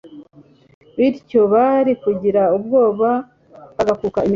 bityo bari kugira ubwoba bagakuka imitima